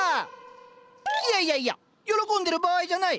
いやいやいや喜んでる場合じゃない。